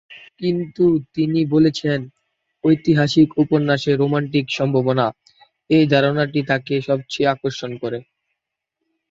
কিন্তু তিনি বলেছেন "ঐতিহাসিক উপন্যাসে রোমান্টিক সম্ভাবনা" এই ধারাটি তাকে সবচেয়ে আকর্ষণ করে।